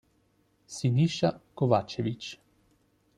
Siniša Kovačević